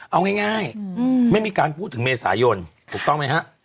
เอาง่ายไม่มีการพูดถึงเมษายนถูกต้องไหมฮะ